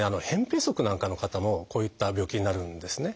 「扁平足」なんかの方もこういった病気になるんですね。